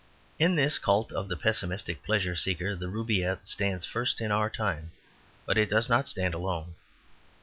In this cult of the pessimistic pleasure seeker the Rubaiyat stands first in our time; but it does not stand alone.